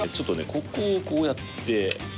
ここをこうやって。